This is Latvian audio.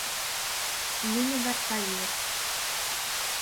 Viņa var paiet.